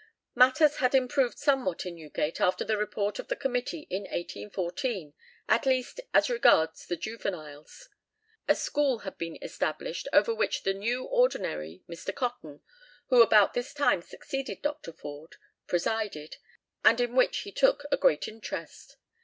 Matters had improved somewhat in Newgate after the report of the committee in 1814, at least as regards the juveniles. A school had been established, over which the new ordinary, Mr. Cotton, who about this time succeeded Dr. Forde, presided, and in which he took a great interest.